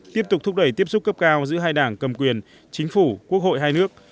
tiếp tục thúc đẩy tiếp xúc cấp cao giữa hai đảng cầm quyền chính phủ quốc hội hai nước